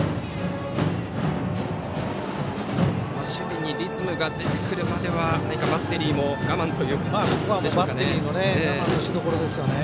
守備にリズムが出てくるまではバッテリーも我慢という感じでしょうか。